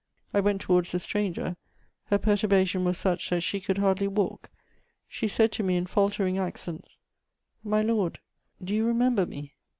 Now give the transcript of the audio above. I went towards the stranger; her perturbation was such that she could hardly walk. She said to me, in faltering accents: "My lord, do you remember me?"